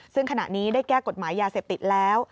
ซึ่งขณะนี้ได้แก้กฎหมายยาเสพติดแล้ว